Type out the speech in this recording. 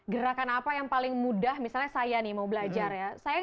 gerakan apa yang paling mudah misalnya saya nih mau belajar ya